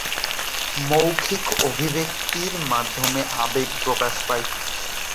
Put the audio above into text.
মৌখিক অভিব্যক্তির মাধ্যমে আবেগ প্রকাশ পায়।